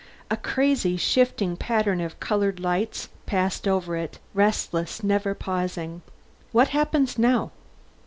A crazy, shifting pattern of colored lights passed over it, restless, never pausing. "What happens now?"